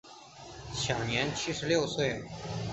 享年七十六岁。